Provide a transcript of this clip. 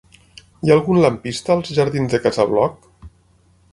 Hi ha algun lampista als jardins de Casa Bloc?